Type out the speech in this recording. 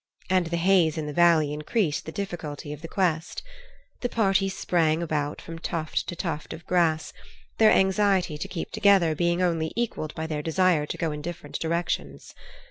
And the haze in the valley increased the difficulty of the quest. The party sprang about from tuft to tuft of grass, their anxiety to keep together being only equalled by their desire to go different directions.